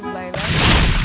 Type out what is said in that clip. makasih mbak nona